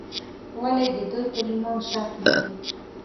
ولې د دوی پر ایمان شک لري.